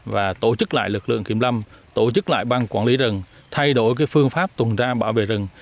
và tổ chức lại lực lượng kiểm lâm tổ chức lại băng quản lý rừng thay đổi phương pháp tuần tra bảo vệ rừng